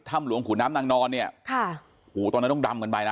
ถ้ำหลวงขู่น้ำนักนอนเนี่ยค่ะหูตอนนั้นต้องดำเงินไปนะ